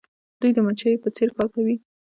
دوی د مچیو په څیر کار کوي.